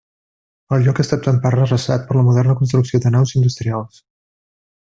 El lloc ha estat en part arrasat per la moderna construcció de naus i industrials.